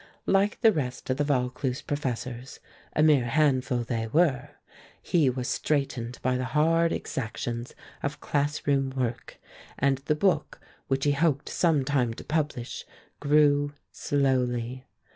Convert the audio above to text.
Like the rest of the Vaucluse professors a mere handful they were, he was straitened by the hard exactions of class room work, and the book which he hoped sometime to publish grew slowly.